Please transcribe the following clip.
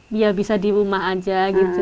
bisa di rumah saja